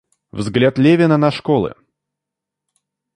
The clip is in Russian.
Взгляд Левина на школы.